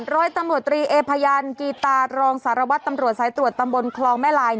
ร้อยตำรวจตรีเอพยันกีตารองสารวัตรตำรวจสายตรวจตำบลคลองแม่ลาย